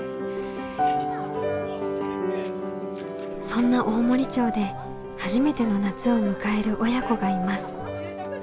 そんな大森町で初めての夏を迎える親子がいます。